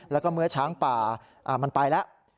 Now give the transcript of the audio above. แล้วก็เมื่อช้างป่ามันไปแล้ว